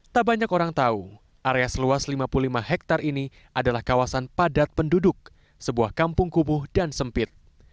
tak banyak orang tahu area seluas lima puluh lima hektare ini adalah kawasan padat penduduk sebuah kampung kubu dan sempit